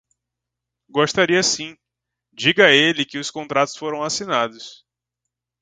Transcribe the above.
Gostaria sim. Diga a ele que os contratos foram assinados.